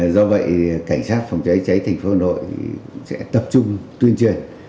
do vậy cảnh sát phòng cháy cháy tp hà nội sẽ tập trung tuyên truyền